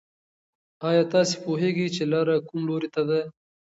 ایا تاسې پوهېږئ چې لاره کوم لوري ته ده؟